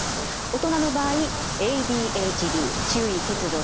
大人の場合ＡＤＨＤ注意欠如